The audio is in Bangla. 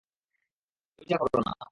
এটা কোরো না।